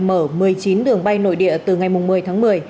mở một mươi chín đường bay nội địa từ ngày một mươi tháng một mươi